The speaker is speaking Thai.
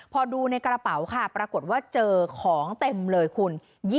พอดูในกระเป๋าค่ะปรากฏว่าเจอของเต็มเลยคุณ